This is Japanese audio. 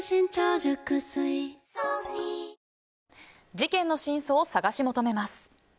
事件の真相を探し求めます。